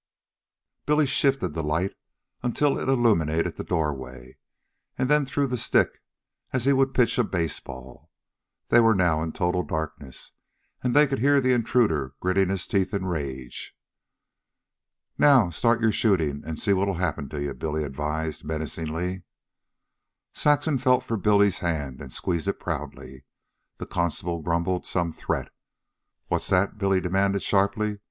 Billy shifted the light until it illuminated the doorway, and then threw the stick as he would pitch a baseball. They were now in total darkness, and they could hear the intruder gritting his teeth in rage. "Now start your shootin' an' see what'll happen to you," Billy advised menacingly. Saxon felt for Billy's hand and squeezed it proudly. The constable grumbled some threat. "What's that?" Billy demanded sharply.